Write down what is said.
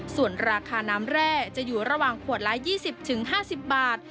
ส่วนราคาน้ำแร่จะอยู่ระหว่างขวดละ๒๐๕๐บาท